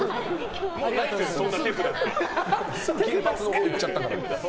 すぐ金髪のほうにいっちゃったから。